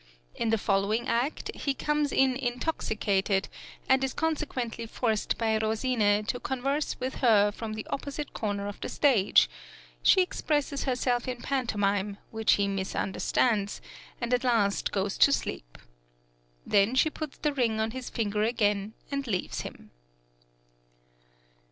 In the following act he comes in intoxicated and is consequently forced by Rosine to converse with her from the opposite corner of the stage; she expresses herself in pantomine, which he misunderstands, and at last goes to sleep. Then she puts the ring on his finger again and leaves him.